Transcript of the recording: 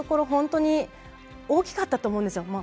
本当に大きかったと思うんですよ。